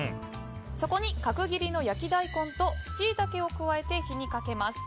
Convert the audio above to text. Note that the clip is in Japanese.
そこに角切りの焼き大根とシイタケを加えて火にかけます。